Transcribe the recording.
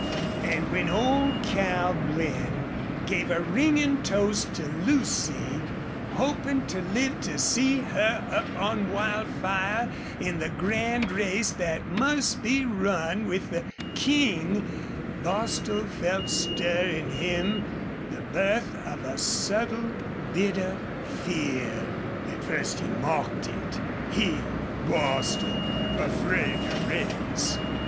And when old Cal Blinn gave a ringing toast to Lucy, hoping to live to see her up on Wildfire in the grand race that must be run with the King, Bostil felt stir in him the birth of a subtle, bitter fear. At first he mocked it. He Bostil afraid to race!